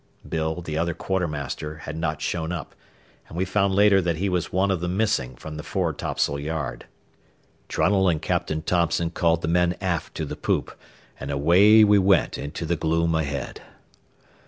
Bill, the other quartermaster, had not shown up, and we found later that he was one of the missing from the fore topsail yard. Trunnell and Captain Thompson called the men aft to the poop, and away we went into the gloom ahead.